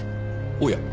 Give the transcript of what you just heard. おや。